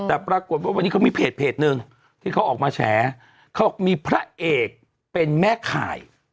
แต่ปรากฏว่าวันนี้เขามีเพจหนึ่งที่เขาออกมาแฉเขาบอกมีพระเอกเป็นแม่ข่าย